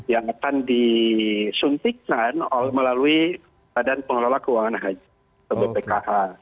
yang akan disuntikkan melalui badan pengelola keuangan haji bppkh